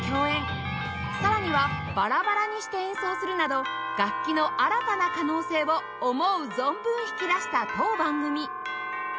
さらにはバラバラにして演奏するなど楽器の新たな可能性を思う存分引き出した当番組